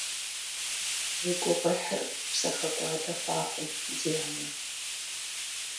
Уи гугъуехьыр псэхэкӀуадэ хъуакъым, ди анэ.